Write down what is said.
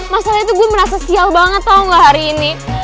masalahnya tuh gue merasa sial banget tau gak hari ini